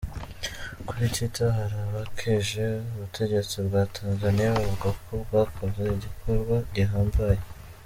Kuri Twitter, hari abakeje ubutegetsi bwa Tanzania bavuga ko bwakoze igikorwa gihambaye.